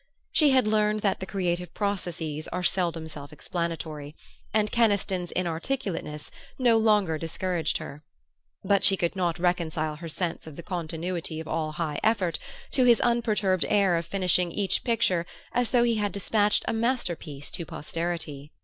She had learned that the creative processes are seldom self explanatory, and Keniston's inarticulateness no longer discouraged her; but she could not reconcile her sense of the continuity of all high effort to his unperturbed air of finishing each picture as though he had despatched a masterpiece to posterity.